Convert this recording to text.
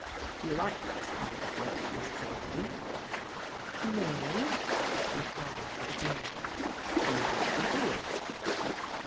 " Do you like this kind of work, Miss Trelawney?" No," replied the girl. Then why do you do it